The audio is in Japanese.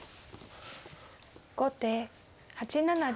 後手８七竜。